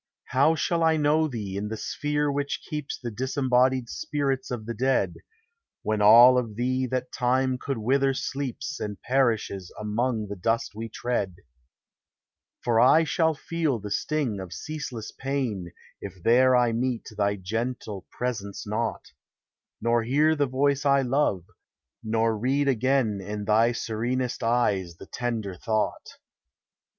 How shall I know thee in the sphere which keeps The disembodied spirits of the dead, When all of thee that time could wither sleeps And perishes among the dust we tread? For I shall feel the sting of ceaseless pain If there I meet thy gentle presence not; Nor hear the voice I love, nor read again In thv serenesl eyes the tender thought.